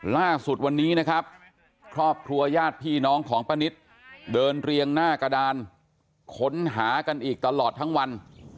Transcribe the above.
ล่าสุดวันนี้นะครับครอบครัวญาติพี่น้องของป้านิตเดินเรียงหน้ากระดานค้นหากันอีกตลอดทั้งวัน